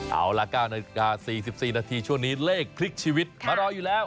เอาละ๙นาฬิกา๔๔นาทีช่วงนี้เลขพลิกชีวิตมารออยู่แล้ว